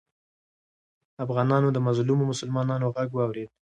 افغانانو د مظلومو مسلمانانو غږ واورېد.